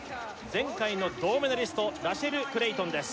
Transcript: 前回の銅メダリストラシェル・クレイトンです